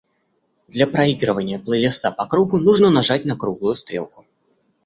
Для проигрывания плейлиста по кругу, нужно нажать на круглую стрелку.